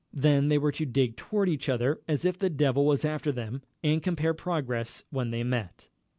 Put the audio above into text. Then they were to dig toward each other as if the devil was after them, and compare progress when they met.